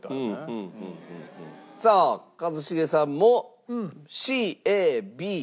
さあ一茂さんもＣＡＢ。